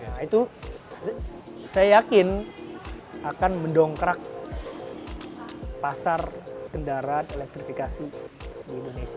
nah itu saya yakin akan mendongkrak pasar kendaraan elektrifikasi di indonesia